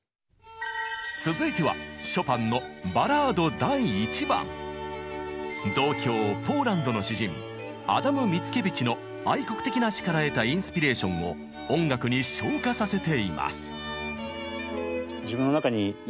続いては同郷ポーランドの詩人アダム・ミツキェヴィチの愛国的な詩から得たインスピレーションを音楽に昇華させています。